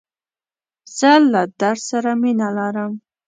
زه له درس سره مینه لرم.